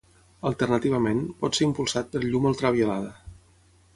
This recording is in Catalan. Alternativament, pot ser impulsat per llum ultraviolada.